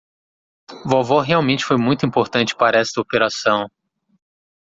Vovó realmente foi muito importante para esta operação.